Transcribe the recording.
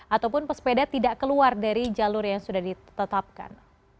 ataupun pesepeda tidak keluar dari jalur yang sudah ditetapkan